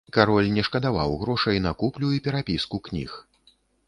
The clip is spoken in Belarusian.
Кароль не шкадаваў грошай на куплю і перапіску кніг.